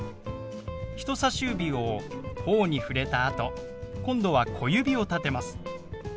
人さし指をほおに触れた後今度は小指を立てます。